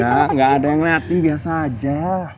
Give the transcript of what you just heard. enggak enggak ada yang liatin biasa aja